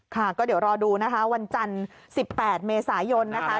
ค่ะก็เดี๋ยวรอดูนะคะวันจันทร์๑๘เมษายนนะคะ